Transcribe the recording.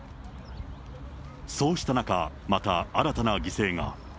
そうした中、また新たな犠牲が。